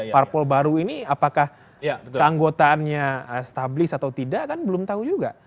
parpol baru ini apakah keanggotaannya stabil atau tidak kan belum tahu juga